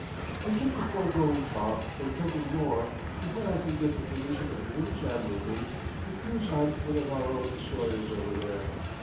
It took the foregoing talk and something more before I could get the permission of the British Admiralty to cruise on one of our own destroyers over there.